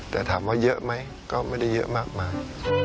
แต่ถามว่าเยอะไหมก็ไม่ได้เยอะมากมาย